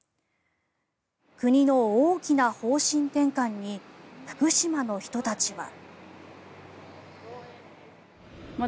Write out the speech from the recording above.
国の大きな方針転換に福島の人たちは。